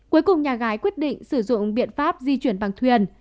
cuối cùng nhà gái quyết định sử dụng biện pháp di chuyển bằng thuyền